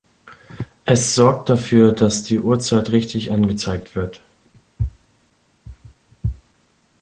Es sorgt dafür, dass die Uhrzeit richtig angezeigt wird.